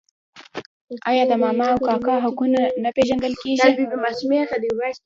آیا د ماما او کاکا حقونه نه پیژندل کیږي؟